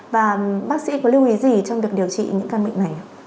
và bác sĩ có lưu ý gì trong việc điều trị những căn bệnh này ạ